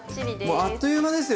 もうあっという間ですよ！